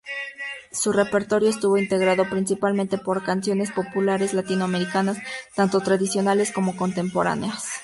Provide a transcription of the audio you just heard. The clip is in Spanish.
Su repertorio estuvo integrado principalmente por canciones populares latinoamericanas, tanto tradicionales como contemporáneas.